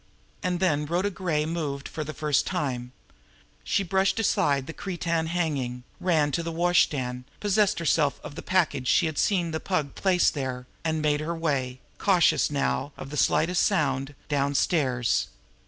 And then Rhoda Gray moved for the first time. She brushed aside the cretonne hanging, ran to the washstand, possessed herself of the package she had seen the Pug place there, and then made her way, cautious now of the slightest sound, downstairs.